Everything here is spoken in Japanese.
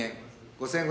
５，０００円。